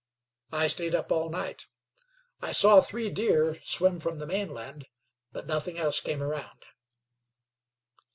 "I stayed up all night. I saw three deer swim from the mainland, but nothing else came around."